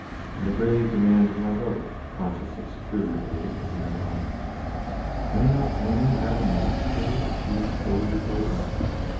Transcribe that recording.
and the grave demand of my brother, conscious of superior age, at dinner time: "May not Annie have a knife to day, as she is four years old?"